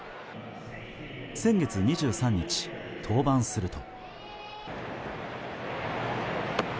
先月２３日、登板すると。